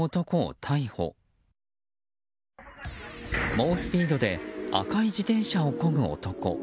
猛スピードで赤い自転車を漕ぐ男。